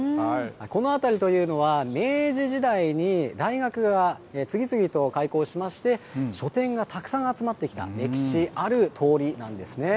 この辺りというのは、明治時代に大学が次々と開校しまして、書店がたくさん集まってきた歴史ある通りなんですね。